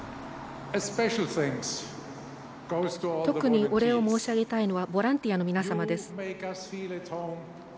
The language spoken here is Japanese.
特に、お礼を申し上げたいのはボランティアの皆様です。